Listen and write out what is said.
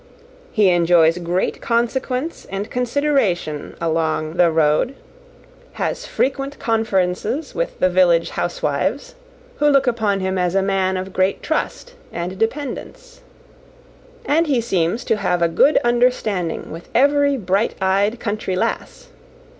He enjoys great consequence and consideration along the road; has frequent conferences with the village housewives, who look upon him as a man of great trust and dependence; and he seems to have a good understanding with every bright eyed country lass.